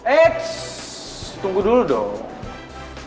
ekssss tunggu dulu dong